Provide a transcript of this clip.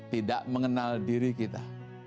tidak mengenal diri kita